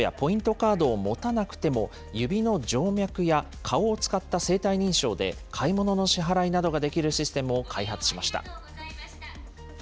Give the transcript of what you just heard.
カードを持たなくても、指の静脈や顔を使った生体認証で、買い物の支払いなどができるシステムを開発しました。